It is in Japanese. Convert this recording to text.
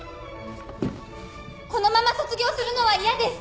このまま卒業するのは嫌です！